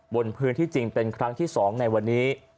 บนพื้นที่จริงเป็นครั้งที่๒ในวันนี้